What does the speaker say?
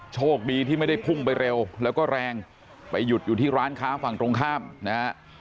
โชคดีที่ไม่ได้พุ่งไปเร็วแล้วก็แรงไปหยุดอยู่ที่ร้านค้าฝั่งตรงข้ามนะฮะ